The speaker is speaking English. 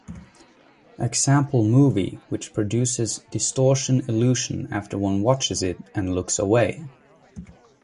Example movie which produces distortion illusion after one watches it and looks away.